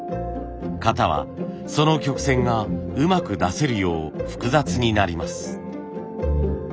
型はその曲線がうまく出せるよう複雑になります。